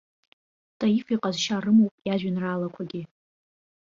Таиф иҟазшьа рымоуп иажәеинраалақәагьы.